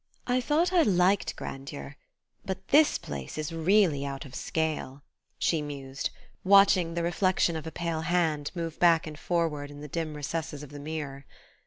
"I thought I liked grandeur; but this place is really out of scale," she mused, watching the reflection of a pale hand move back and forward in the dim recesses of the mirror.